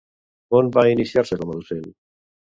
On va iniciar-se com a docent?